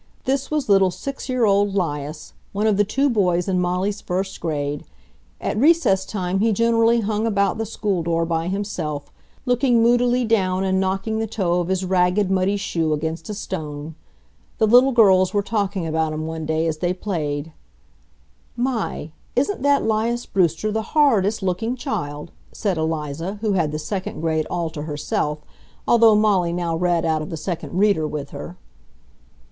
This was little six year old 'Lias, one of the two boys in Molly's first grade. At recess time he generally hung about the school door by himself, looking moodily down and knocking the toe of his ragged, muddy shoe against a stone. The little girls were talking about him one day as they played. "My! Isn't that 'Lias Brewster the horridest looking child!" said Eliza, who had the second grade all to herself, although Molly now read out of the second reader with her.